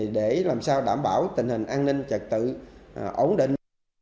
để làm sao đảm bảo tình hình an ninh trật tự ổn định